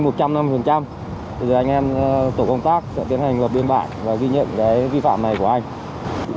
thì anh em tổ công tác sẽ tiến hành lập biên bản và ghi nhận cái vi phạm này của anh